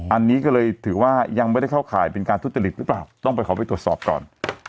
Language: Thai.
อันนี้ก็เลยถือว่ายังไม่ได้เข้าข่ายเป็นการทุจริตหรือเปล่าต้องไปขอไปตรวจสอบก่อน